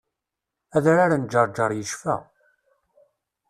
Adrar n Ǧerğer yecfa.